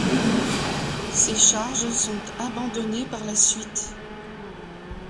Ces charges sont abandonnées par la suite.